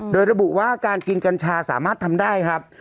โดยระบุว่าการกินกัญชาสามารถทำได้ครับ